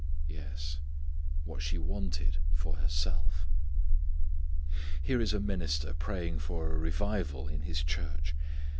_ Yes what she wanted for herself! Here is a minister praying for a revival in his church.